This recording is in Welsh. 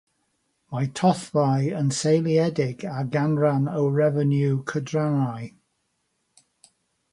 Mae tollau yn seiliedig ar ganran o refeniw cydrannau.